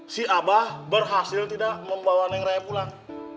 si abah berhasil tidak membawa ning raya pulang